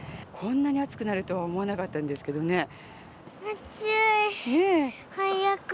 こんなに暑くなるとは思わなかったんですけどね。